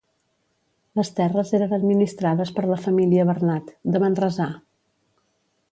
Les terres eren administrades per la família Bernat, de Manresà.